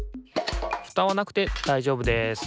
フタはなくてだいじょうぶです。